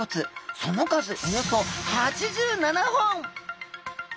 その数およそ８７本。